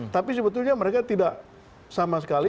tapi sebetulnya mereka tidak sama sekali